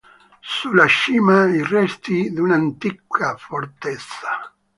Sulla cima i resti di un'antica fortezza.